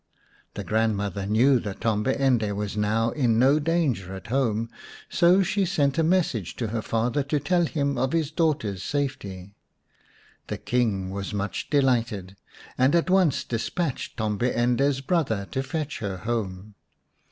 The grandmother knew that Tombi ende was now in no danger at home, so she sent a message to her father to tell him of his daughter's safety. The King was much delighted, and at once despatched Tombi ende's brother to fetch her home.